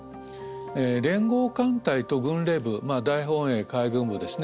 連合艦隊と軍令部大本営海軍部ですね